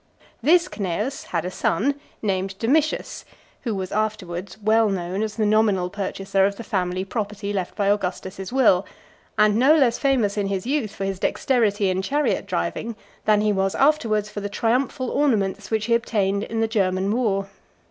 IV. This Cneius had a son, named Domitius, who was afterwards well known as the nominal purchaser of the family property left by Augustus's will ; and no less famous in his youth for his dexterity in chariot driving, than he was afterwards for the triumphal ornaments which he obtained in the German war.